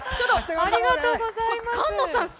ありがとうございます。